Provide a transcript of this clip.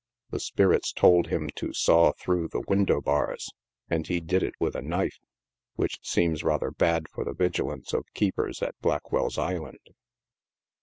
The spirits told him to saw through the window bars, and he did it with a knife, which seems rather bad for the vigilance of keepers at Blackwell's Island.